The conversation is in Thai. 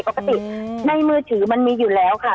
ปกติในมือถือมันมีอยู่แล้วค่ะ